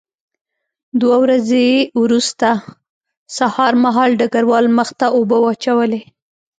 دوه ورځې وروسته سهار مهال ډګروال مخ ته اوبه واچولې